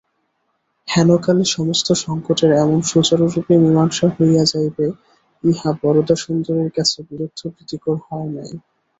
হেনকালে সমস্ত সংকটের এমন সুচারুরূপে মীমাংসা হইয়া যাইবে ইহা বরদাসুন্দরীর কাছে বিরুদ্ধপ্রীতিকর হয় নাই।